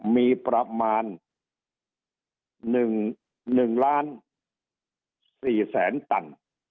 มีประมาณ๑ล้าน๔แสนตัน